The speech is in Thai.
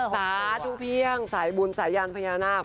สาธุเพียงสายบุญสายยานพญานาค